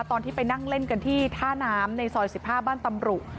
ตอนที่ไปนั่งเล่นกันที่ท่าน้ำในซอย๑๕บ้านตำรุ